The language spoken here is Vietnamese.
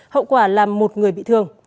hậu quả là một người bị thương